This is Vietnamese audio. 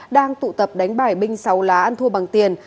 đang tụ tập đánh bài binh sáu lá ăn thua bằng tiền